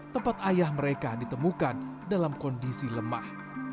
tempat ayah mereka ditemukan dalam kondisi lemah